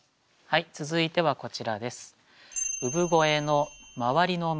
続いてはこちらです。